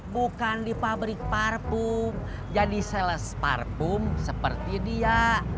bukan di pabrik parpung jadi seles parpung seperti dia